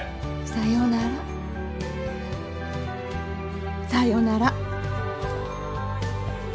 「さよなら、さよなら！」。